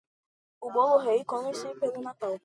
O Bolo Rei come-se pelo Natal.